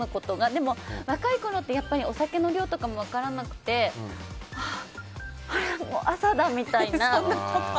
でも若いころってお酒の量とかも分からなくて朝だみたいな。